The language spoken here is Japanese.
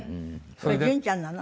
これ順ちゃんなの？